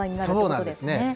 そうなんですね。